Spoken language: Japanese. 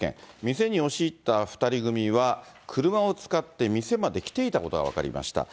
店に押し入った２人組は、車を使って店まで来ていたことが分かりました。